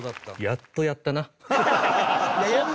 やっとやった。